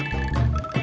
sampai jumpa lagi